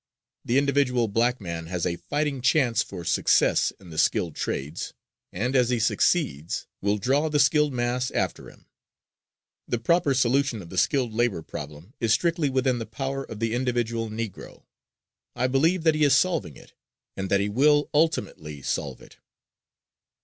The individual black man has a fighting chance for success in the skilled trades; and, as he succeeds, will draw the skilled mass after him. The proper solution of the skilled labor problem is strictly within the power of the individual Negro. I believe that he is solving it, and that he will ultimately solve it.